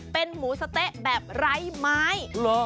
เป็นหมูสะเต๊ะแบบไร้ไม้